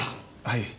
はい。